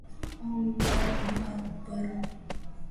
In this task, students have to turn some words into nouns.